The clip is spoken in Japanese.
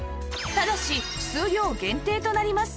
ただし数量限定となります